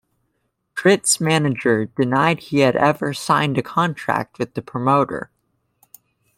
Tritt's manager denied he had ever signed a contract with the promoter.